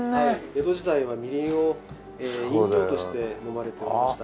江戸時代はみりんを飲料として飲まれておりました。